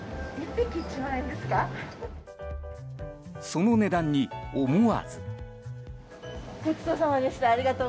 その値段に思わず。